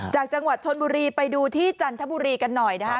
จากจังหวัดชนบุรีไปดูที่จันทบุรีกันหน่อยนะคะ